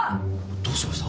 どうしました？